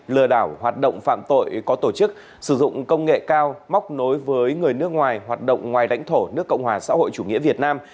lừa đảo hoạt động phạm tội có tổ chức sử dụng công nghệ cao móc nối với người nước ngoài hoạt động ngoài lãnh thổ nước cộng hòa xã hội chủ nghĩa việt nam